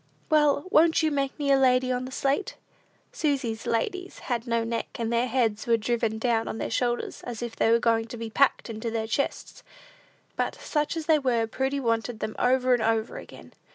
Well, won't you make me a lady on the slate?" Susy's ladies had no necks, and their heads were driven down on their shoulders, as if they were going to be packed into their chests; but, such as they were, Prudy wanted them over and over again.